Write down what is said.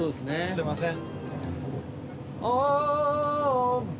すいません。